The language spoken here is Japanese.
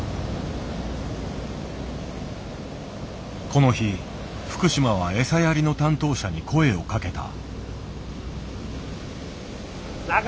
この日福島は餌やりの担当者に声をかけた。